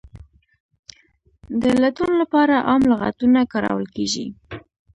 د لټون لپاره عام لغتونه کارول کیږي.